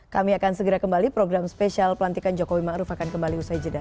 kami akan segera kembali program spesial pelantikan jokowi ⁇ maruf ⁇ akan kembali usai jeda